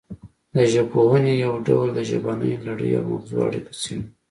د ژبپوهنې یو ډول د ژبنۍ لړۍ او مغزو اړیکه څیړي